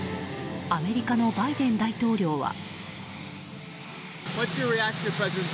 アメリカのバイデン大統領は。